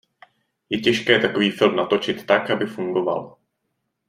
Je těžké takový film natočit tak, aby fungoval.